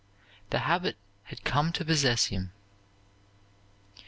'" The habit had come to possess him.